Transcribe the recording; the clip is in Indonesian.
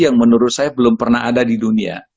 yang menurut saya belum pernah ada di dunia